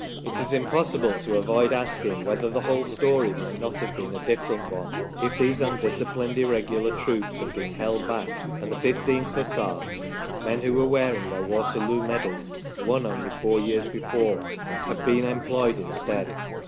It is impossible to avoid 28 THE STORY OF PETERLOO asking whether the whole story might not have been a different one, if these undisciplined irregular troops had been held back, and the 1 5th Hussars men who were wearing their Waterloo medals, won only four years before had been employed instead.